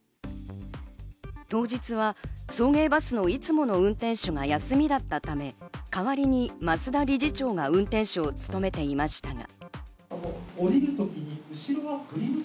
当日は送迎バスのいつもの運転手が休みだったため、代わりに増田理事長が運転手を務めていましたが。